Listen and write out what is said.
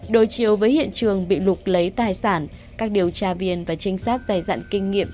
đối chiếu với hiện trường bị lục lấy tài sản các điều tra viên và trinh sát dày dặn kinh nghiệm